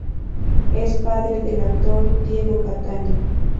Es padre del actor Diego Cataño.